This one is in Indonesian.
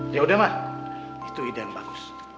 ya udah mah itu ide yang bagus